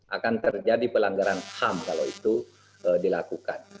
akan terjadi pelanggaran ham kalau itu dilakukan